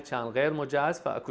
dan menjaga kemampuan mereka